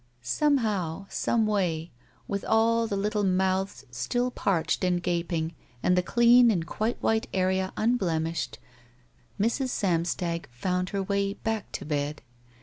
Somehow, some way, with all the little mouths still parched and gaping and the clean and quite white area unblemished, Mrs. Samstag foimd her way back to bed.